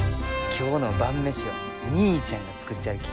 今日の晩飯は義兄ちゃんが作っちゃるき。